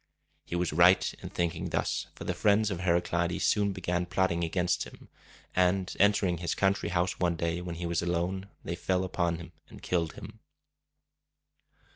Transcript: He was right in thinking thus, for the friends of Heraclides soon began plotting against him; and, entering his country house one day when he was alone, they fell upon him and killed him.